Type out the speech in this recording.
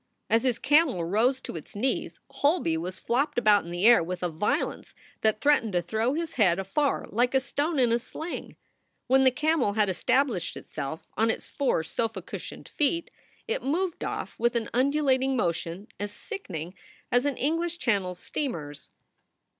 As his camel rose to its knees, Holby was flopped about in the air with a violence that threatened to throw his head afar like a stone in a sling. When the camel had established itself on its four sofa cushioned feet it moved off with an undulating motion as sickening as an English Channel steamer s.